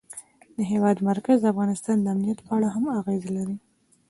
د هېواد مرکز د افغانستان د امنیت په اړه هم اغېز لري.